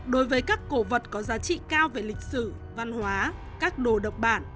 đối với các cổ vật có giá trị cao về lịch sử văn hóa các đồ độc bản